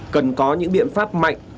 cần có những biện pháp mạnh